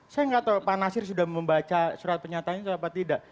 saya enggak tahu pak nasir sudah membaca surat penyataannya atau tidak